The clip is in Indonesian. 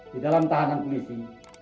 di dalam tahanan polisi